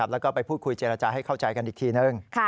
แล้วก็ไปพูดคุยเจรจาให้เข้าใจกันอีกทีนึง